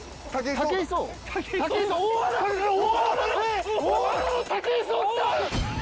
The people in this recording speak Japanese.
武井壮？